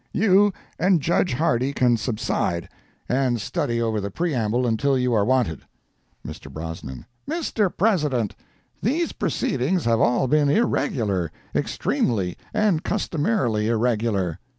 You and Judge Hardy can subside, and study over the preamble until you are wanted." Mr. Brosnan—"Mr. President, these proceedings have all been irregular, extremely and customarily irregular.